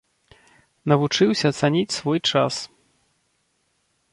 Навучыўся цаніць свой час.